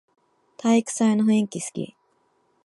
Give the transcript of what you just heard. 体育祭の雰囲気すき